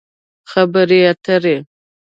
خبرې اترې